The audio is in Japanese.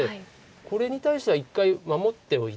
これに対しては一回守っておいて。